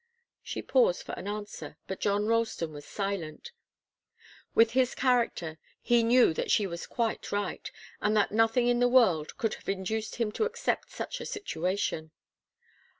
She paused for an answer, but John Ralston was silent. With his character, he knew that she was quite right, and that nothing in the world could have induced him to accept such a situation.